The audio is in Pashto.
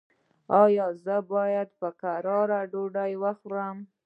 ایا زه باید په کراره ډوډۍ وخورم؟